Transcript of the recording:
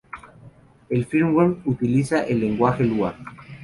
El firmware utiliza el lenguaje Lua.